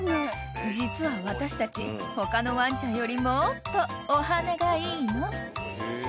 ［実は私たち他のワンちゃんよりもーっとお鼻がいいの］